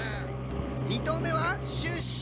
２とうめはシュッシュ！